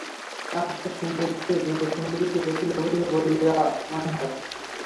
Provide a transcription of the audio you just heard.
কাছের সুন্দরীর চেয়ে দূরের সুন্দরীকে বেশি লোভনীয় বলিয়া মনে হয়।